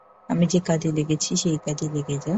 আমি যে কাজে লেগেছি, সেই কাজে লেগে যা।